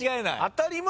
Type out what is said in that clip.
当たり前。